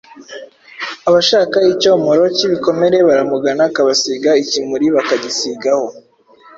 Abashaka icyomoro k’ibikomere baramugana akabaha ikimuri bakagisigaho.